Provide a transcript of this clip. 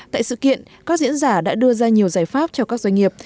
tại sự kiện các diễn giả đã đưa ra nhiều giải pháp cho các doanh nghiệp